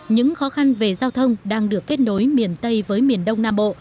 những khó khăn về giao thông đang được kết nối miền tây với miền đông nam bộ